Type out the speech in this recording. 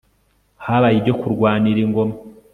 habaye ibyo kurwanira ingoma